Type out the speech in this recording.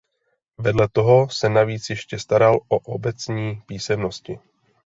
Vedle toho se navíc ještě staral o obecní písemnosti.